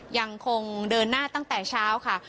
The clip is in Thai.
ยังคงเดินหน้าตั้งแต่เช้าค่ะ